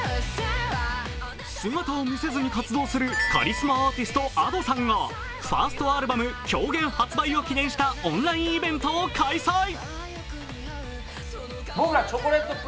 姿を見せずに活動するカリスマアーティスト・Ａｄｏさんがファーストアルバム「狂言」発売を記念したオンラインイベントを開催。